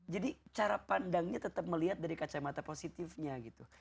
jadi cara pandangnya tetap melihat dari kacamata positifnya gitu